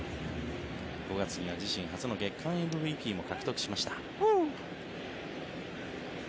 ５月には自身初の月間ＭＶＰも獲得しました。